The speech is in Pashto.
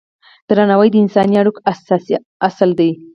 درناوی د انساني اړیکو اساسي اصل دی.